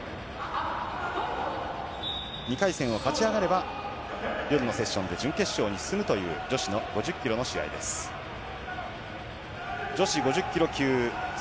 ２回戦を勝ち上がれば夜のセッションで準決勝に進むという女子の５０ｋｇ級の試合です。